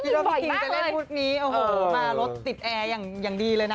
คิดว่าพี่ทีมจะเล่นพุธนี้มารถติดแอร์อย่างดีเลยนะ